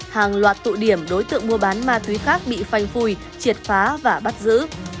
hàng loạt tụ điểm đối tượng mua bán ma túy khác bị phanh phui triệt phá và bắt giữ